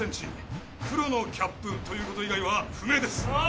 黒のキャップということ以外は不明です。